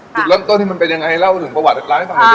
สูตรเริ่มต้นที่มันเป็นยังไงเล่าถึงประวัติร้านให้ทำให้สิ